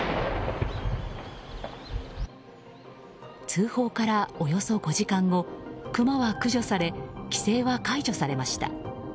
通報からおよそ５時間後クマは駆除され規制は解除されました。